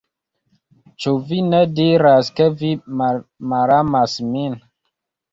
Cu vi ne diras ke vi malamas min?